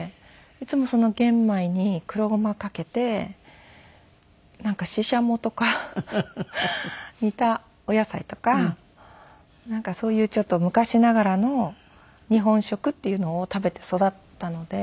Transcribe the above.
いつもその玄米に黒ゴマかけてなんかシシャモとか煮たお野菜とかなんかそういうちょっと昔ながらの日本食っていうのを食べて育ったので。